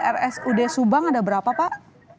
rsud subang ada berapa pak